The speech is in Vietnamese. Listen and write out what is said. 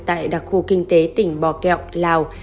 tại đặc khu kinh tế tỉnh bò kẹo lào